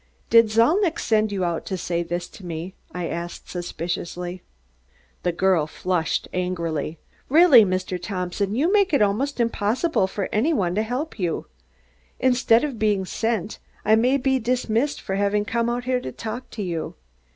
"Did Zalnitch send you out to say this to me?" I asked suspiciously. The girl flushed angrily. "Really, Mr. Thompson, you make it almost impossible for any one to help you. Instead of being sent, I may be dismissed for having come out here to talk to you.